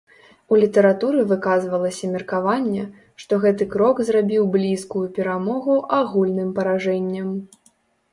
У літаратуры выказвалася меркаванне, што гэты крок зрабіў блізкую перамогу агульным паражэннем.